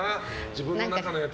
自分の中のやつ。